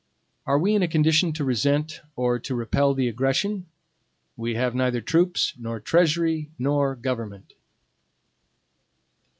Are we in a condition to resent or to repel the aggression? We have neither troops, nor treasury, nor government.